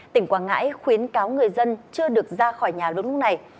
tỉnh quảng ngãi khuyến cáo người dân chưa được ra khỏi nhà lúc này